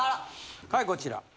はいこちら。